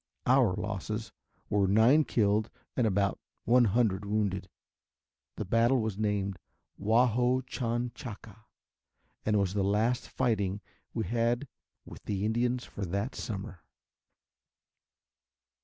Our losses were nine killed and about one hundred wounded. The battle was named "Waho chon chaka" and was the last fighting we had with the Indians for that summer.